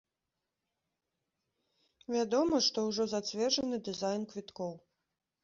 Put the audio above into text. Вядома, што ўжо зацверджаны дызайн квіткоў.